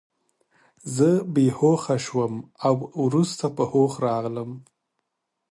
زه بې هوښه شوم او وروسته په هوښ راغلم